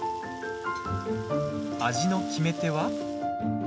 味の決め手は。